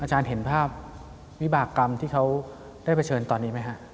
อาจารย์เห็นภาพวิบากรรมที่เขาได้เผชิญตอนนี้ไหมฮะ